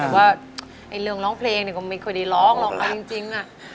แต่ว่าเรื่องร้องเพลงก็ไม่ค่อยได้ร้องหรอกเอาจริง